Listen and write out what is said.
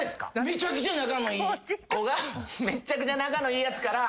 めちゃくちゃ仲のいいやつから。